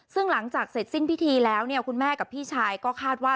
ซึ่งหลังจากเสร็จสิ้นพิธีแล้วเนี่ยคุณแม่กับพี่ชายก็คาดว่า